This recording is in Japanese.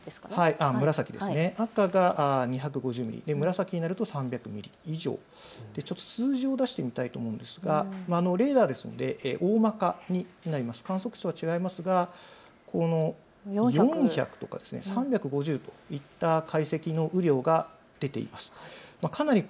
紫になると３００ミリ以上、数字を出してみたいと思うんですがレーダーですので大まかになります観測値と違いますが４００とか３５０といった解析の雨量が出ています。